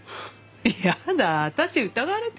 やだ私疑われてんの？